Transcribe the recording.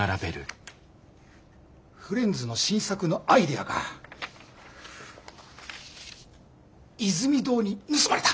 フレンズの新作のアイデアがイズミ堂に盗まれた。